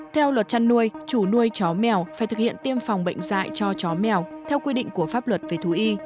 theo luật chăn nuôi chủ nuôi chó mèo phải thực hiện tiêm phòng bệnh dạy cho chó mèo theo quy định của pháp luật về thú y